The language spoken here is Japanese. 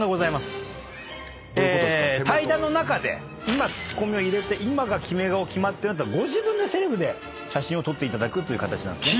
対談の中でツッコミを入れて今がキメ顔決まったなってなったらご自分でセルフで写真を撮っていただく形なんです。